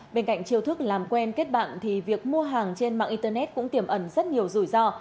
bên cạnh chiêu thức làm quen kết bạn thì việc mua hàng trên mạng internet cũng tiềm ẩn rất nhiều rủi ro